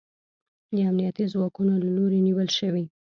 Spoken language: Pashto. د امنیتي ځواکونو له لوري نیول شوی